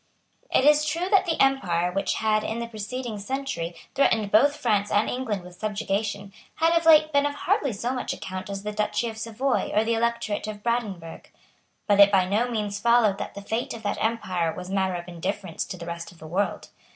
It is true that the empire, which had, in the preceding century, threatened both France and England with subjugation, had of late been of hardly so much account as the Duchy of Savoy or the Electorate of Brandenburg. But it by no means followed that the fate of that empire was matter of indifference to the rest of the world.